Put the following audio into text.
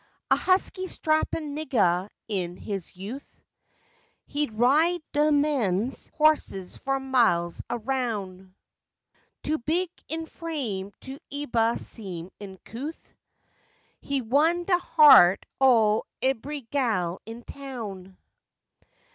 A husky strappin' niggah in his youth, He'd ride de meanes' hoss' fo' miles aroun'; Too big in frame to ebuh seem uncouth, He won de heart ob ebry gal in town.